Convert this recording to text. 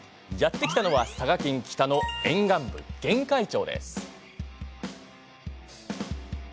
やって来たのは佐賀県北の沿岸部、玄海町。